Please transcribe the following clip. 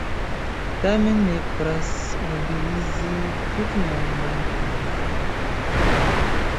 Tamen nepras mobilizi tutmondan publikan opinion.